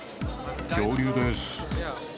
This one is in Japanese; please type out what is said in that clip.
恐竜です。